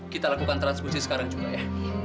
kita lakukan transfusi sekarang juga ya